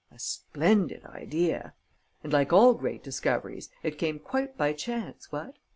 A splendid idea! And, like all great discoveries, it came quite by chance, what?